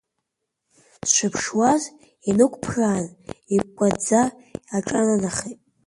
Сшыԥшуаз, инықәԥраан, икәкәаӡа аҿаанахеит.